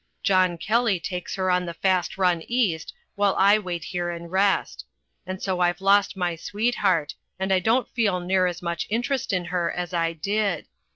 John Kelly takes her on the fast run East while I wait here and rest. And so I've lost my sweetheart, and I don't feel near as much interest in her as I did.